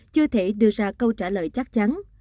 chưa thể đưa ra câu trả lời chắc chắn